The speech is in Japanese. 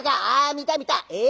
「あ見た見た。